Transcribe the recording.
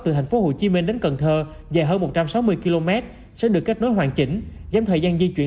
từ tp hcm đến cần thơ dài hơn một trăm sáu mươi km sẽ được kết nối hoàn chỉnh giám thời gian di chuyển